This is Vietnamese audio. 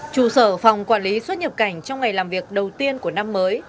chủ sở phòng quản lý xuất nhập cảnh trong ngày làm việc đầu tiên của năm mới